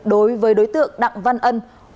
đối với đối tượng đặng văn ân